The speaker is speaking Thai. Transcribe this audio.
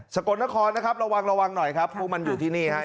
กลนครนะครับระวังระวังหน่อยครับพวกมันอยู่ที่นี่ฮะ